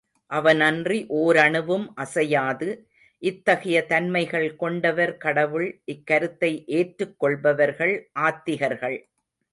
அவனன்றி ஓரணுவும் அசையாது. இத்தகைய தன்மைகள் கொண்டவர் கடவுள், இக்கருத்தை ஏற்றுக் கொள்பவர்கள் ஆத்திகர்கள்.